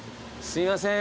すいません